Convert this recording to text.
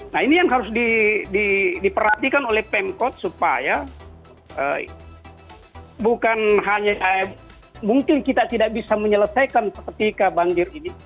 nah ini yang harus diperhatikan oleh pemkot supaya bukan hanya mungkin kita tidak bisa menyelesaikan ketika banjir ini